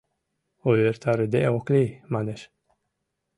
«Увертарыде ок лий, — манеш.